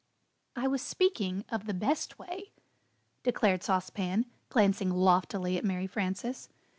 "I was speaking of the best way," declared Sauce Pan glancing loftily at Mary Frances.